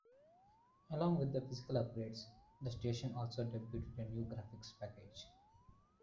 Along with the physical upgrades, the station also debuted a new graphics package.